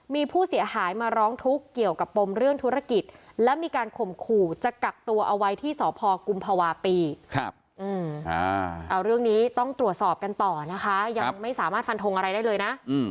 มีผู้เสียหายมาร้องทุกข์เกี่ยวกับปมเรื่องธุรกิจ